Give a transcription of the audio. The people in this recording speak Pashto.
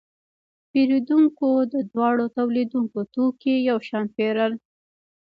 پیرودونکو د دواړو تولیدونکو توکي یو شان پیرل.